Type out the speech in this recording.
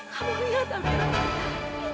kamu lihat amira